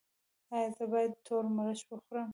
ایا زه باید تور مرچ وخورم؟